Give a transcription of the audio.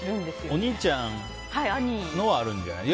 お兄ちゃんのはあるんじゃない。